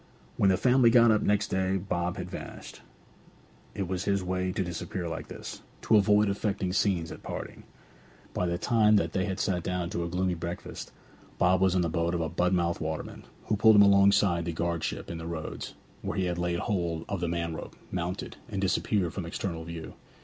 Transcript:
When the family got up next day Bob had vanished. It was his way to disappear like this, to avoid affecting scenes at parting. By the time that they had sat down to a gloomy breakfast, Bob was in the boat of a Budmouth waterman, who pulled him alongside the guardship in the roads, where he laid hold of the man rope, mounted, and disappeared from external view.